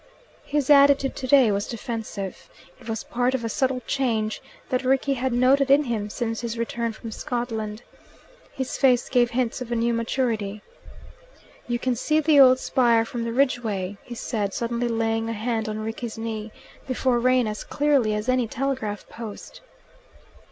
His attitude today was defensive. It was part of a subtle change that Rickie had noted in him since his return from Scotland. His face gave hints of a new maturity. "You can see the old spire from the Ridgeway," he said, suddenly laying a hand on Rickie's knee, "before rain as clearly as any telegraph post."